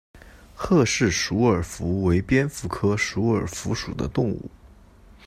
郝氏鼠耳蝠为蝙蝠科鼠耳蝠属的动物。